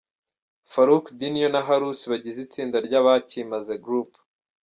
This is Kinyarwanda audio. Faruku Dinho na Harusi bagize itsinda ry'Abakimaze Group.